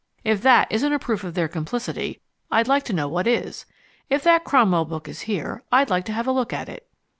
"If that isn't a proof of their complicity, I'd like to know what is. If that Cromwell book is here, I'd like to have a look at it."